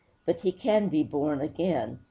But he can be born again!